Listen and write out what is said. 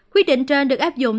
quyết định trên được áp dụng